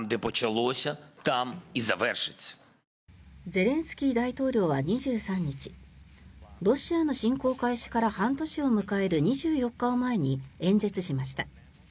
ゼレンスキー大統領は２３日ロシアの侵攻開始から半年を迎える２４日を前に演説しました。